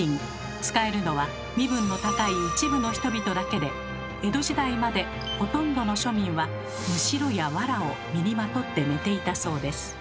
使えるのは身分の高い一部の人々だけで江戸時代までほとんどの庶民はむしろやわらを身にまとって寝ていたそうです。